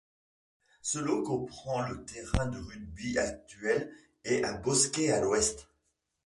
Ce lot comprend le terrain de rugby actuel et un bosquet à l'ouest.